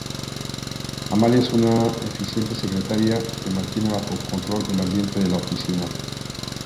Amalia es una eficiente secretaria que mantiene bajo control el ambiente de la oficina.